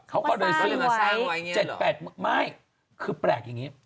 เขาก็เลยซื้อ๗๘ไม้คือแปลกอย่างนี้